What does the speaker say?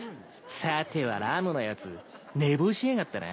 さてはラムのやつ寝坊しやがったな。